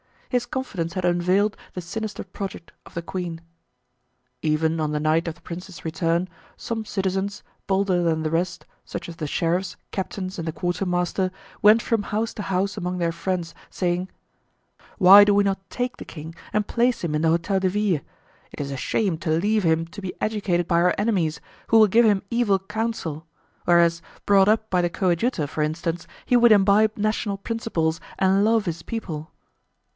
His confidence had unveiled the sinister project of the queen. Even on the night of the prince's return, some citizens, bolder than the rest, such as the sheriffs, captains and the quartermaster, went from house to house among their friends, saying: "Why do we not take the king and place him in the Hotel de Ville? It is a shame to leave him to be educated by our enemies, who will give him evil counsel; whereas, brought up by the coadjutor, for instance, he would imbibe national principles and love his people."